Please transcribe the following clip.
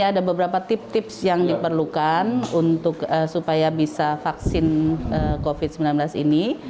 ada beberapa tips tips yang diperlukan untuk supaya bisa vaksin covid sembilan belas ini